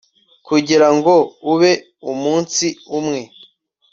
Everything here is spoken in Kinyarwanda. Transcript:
kugira ngo ube umunsi umwe